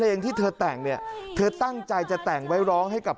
และก็มีการกินยาละลายริ่มเลือดแล้วก็ยาละลายขายมันมาเลยตลอดครับ